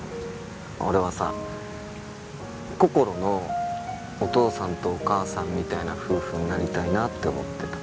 俺はさこころのお父さんとお母さんみたいな夫婦になりたいなって思ってた。